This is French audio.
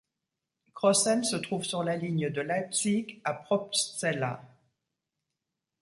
Crossen se trouve sur la ligne de Leipzig à Probstzella.